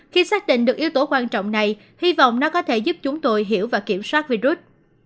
khi xác định được yếu tố quan trọng này hy vọng nó có thể giúp chúng tôi hiểu và kiểm soát virus